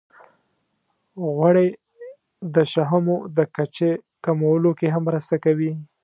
غوړې د شحمو د کچې کمولو کې هم مرسته کوي.